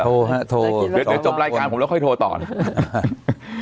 ฮะโทรเดี๋ยวจบรายการผมแล้วค่อยโทรต่อนะ